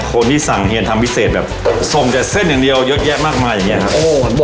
คนที่สั่งเฮียนทำพิเศษแบบส่งแต่เส้นอย่างเดียวเยอะแยะมากมายอย่างนี้ครับ